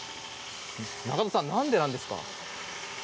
永戸さん、なんでなんですか？